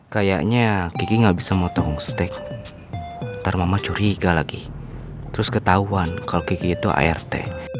kayaknya kiki gak bisa motong steak ntar mama curiga lagi terus ketahuan kalau kiki itu art